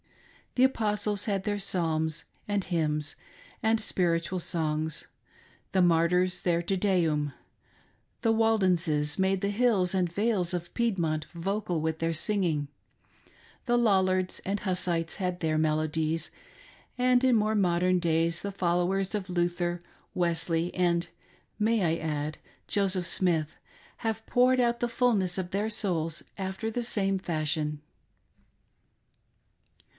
The Apostles had their psalms, and hymns, and spiritual songs ; the Martyrs their Te Deum ; the Waldenses made the hills and vales of Piedmont vocal with their singing; the Lollards and Hussites had their melodies ; and in more modern days the followers of Luther, Wesley, and (may I add .') Joseph Smith, have poured out the fulness of their souls after the same fashion.